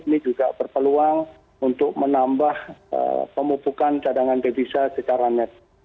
ini juga berpeluang untuk menambah pemupukan cadangan devisa secara net